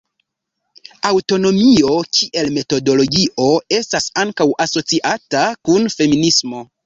Aŭtonomio kiel metodologio estas ankaŭ asociata kun feminismo.